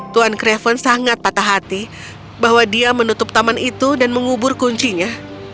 tuan craven sangat patah hati bahwa dia menutup taman itu dan mengubur kuncinya